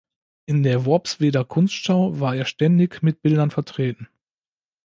In der Worpsweder Kunstschau war er ständig mit Bildern vertreten.